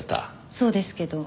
そうですけど。